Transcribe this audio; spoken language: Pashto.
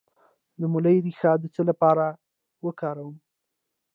د مولی ریښه د څه لپاره وکاروم؟